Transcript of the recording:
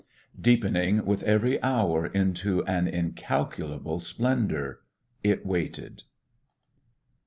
Deepening with every hour into an incalculable splendour, it waited.